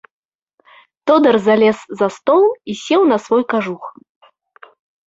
Тодар залез за стол і сеў на свой кажух.